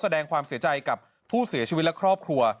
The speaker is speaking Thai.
แสดงความเสียใจกับผู้เสียชีวิตและครอบครัว